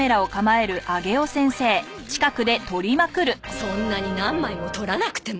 そんなに何枚も撮らなくても。